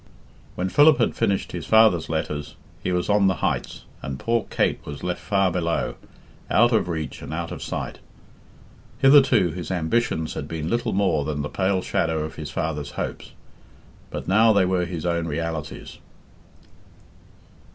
When Philip had finished his father's letters, he was on the heights, and poor Kate was left far below, out of reach and out of sight. Hitherto his ambitions had been little more than the pale shadow of his father's hopes, but now they were his own realities.